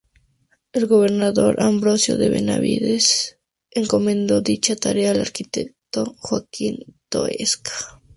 El gobernador Ambrosio de Benavides encomendó dicha tarea al arquitecto Joaquín Toesca.